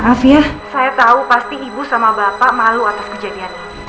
saya tahu pasti ibu sama bapak malu atas kejadiannya